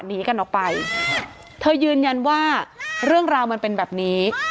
หนีกันออกไปเธอยืนยันว่าเรื่องราวมันเป็นแบบนี้